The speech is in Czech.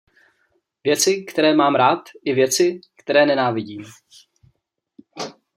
Věci, které mám rád, i věci, které nenávidím.